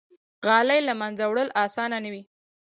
غالۍ له منځه وړل آسانه نه وي.